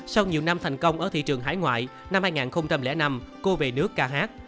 sau nhiều năm thành công ở thị trường hải ngoại năm hai nghìn năm cô về nước ca hát